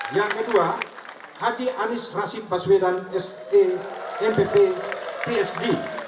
yang kedua haji anies rasid baswedan se mpp psd